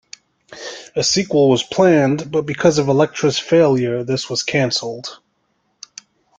A sequel was planned, but because of "Elektra"s failure, this was canceled.